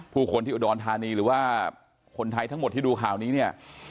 ผู้คนที่อุดรธานีหรือว่าคนไทยทั้งหมดที่ดูข่าวนี้เนี่ย